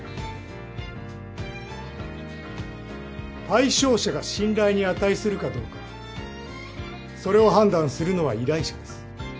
対象者が信頼に値するかどうかそれを判断するのは依頼者です。